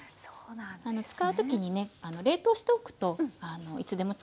使う時にね冷凍しておくといつでも使えるので。